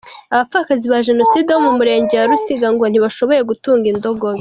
Abapfakazi ba Jenoside bo mu murenge wa Rusiga ngo ntibashoboye gutunga indogobe.